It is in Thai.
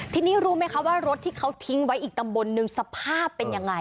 ทีนี้รู้ไหมคะว่ารถที่เขาทิ้งไว้อีกตำบลนึงสภาพเป็นยังไง